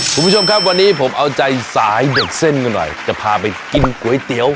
คุณผู้ชมครับวันนี้ผมเอาใจสายเด็กเส้นกันหน่อยจะพาไปกินก๋วยเตี๋ยว